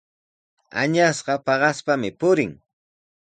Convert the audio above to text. Añasqa paqaspami purin.